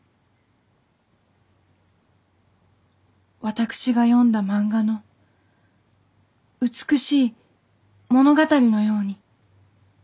私が読んだ漫画の美しい物語のように。